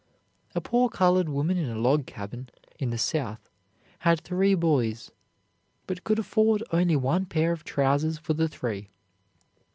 A poor colored woman in a log cabin in the South had three boys, but could afford only one pair of trousers for the three.